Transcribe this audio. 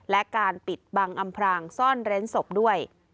และการปิดบังอำพรางซ่อนเร้นศพด้วย